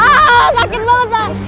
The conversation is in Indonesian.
aah sakit banget pak